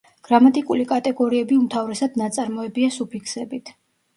გრამატიკული კატეგორიები უმთავრესად ნაწარმოებია სუფიქსებით.